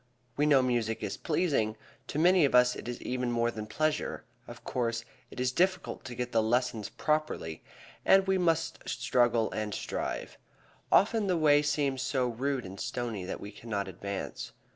We know music is pleasing; to many of us it is even more than a pleasure; of course, it is difficult to get the lessons properly and we must struggle and strive. Often the way seems so rude and stony that we cannot advance.